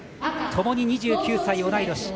ともに２９歳同い年。